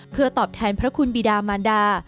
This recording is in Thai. เพื่อตอบแทนพระคุณบิดามานดา